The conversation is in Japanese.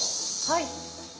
はい。